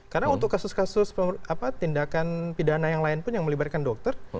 karena untuk kasus kasus tindakan pidana yang lain pun yang melibatkan dokter